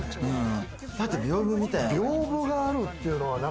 だって屏風みたいなの。